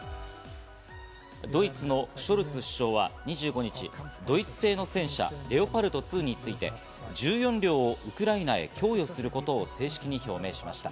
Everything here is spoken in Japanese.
ドイツのショルツ首相は２５日、ドイツ製の戦車レオパルト２について、１４両をウクライナへ供与することを正式に表明しました。